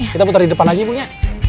kita putar di depan lagi bung ya